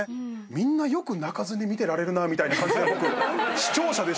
みんなよく泣かずに見てられるなみたいな感じで僕視聴者でしたから。